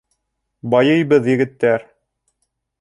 Байыйбыҙ, егеттәр!